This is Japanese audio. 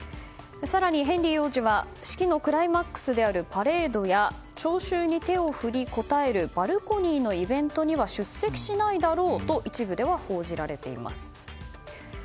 更にヘンリー王子は式のクライマックスのパレードや聴衆に手を振り、応えるバルコニーのイベントには出席しないだろうと一部では報じられています。